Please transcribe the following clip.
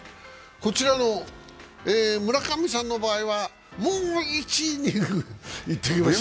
こちらの村上さんの場合はもう１イニングいってほしい。